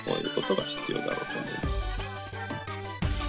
はい。